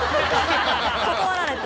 断られた。